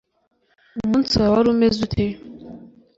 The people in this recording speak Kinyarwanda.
umunsi wawe wari umeze ute?